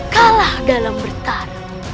kalah dalam bertarung